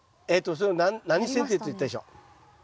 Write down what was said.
それを何剪定と言ったでしょう？